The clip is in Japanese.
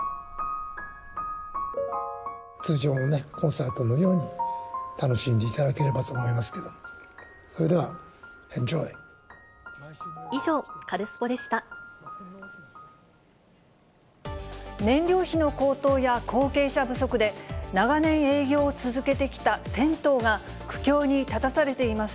通常のね、コンサートのように楽しんでいただければと思いますけど、それで以上、燃料費の高騰や後継者不足で、長年営業を続けてきた銭湯が苦境に立たされています。